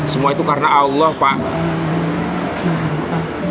semua itu karena allah pak